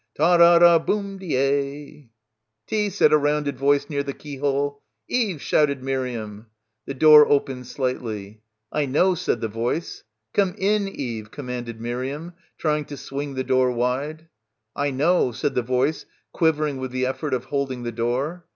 Ta ra ra boom deay." "Tea" said a rounded voice near the keyhole. "Eve !" shouted Miriam. The door opened slightly. "I know," said the voice. "Come in, Eve," commanded Miriam, trying to swing the door wide. "I know," said the voice, quivering with the ef fort of holding the door.